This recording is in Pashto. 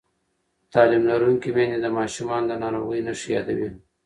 تعلیم لرونکې میندې د ماشومانو د ناروغۍ نښې یادوي.